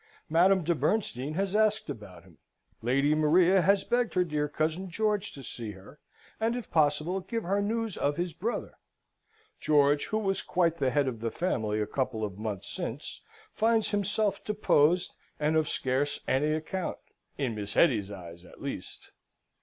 Madame de Bernstein has asked about him. Lady Maria has begged her dear cousin George to see her, and, if possible, give her news of his brother. George, who was quite the head of the family a couple of months since, finds himself deposed, and of scarce any account, in Miss Hetty's eyes at least.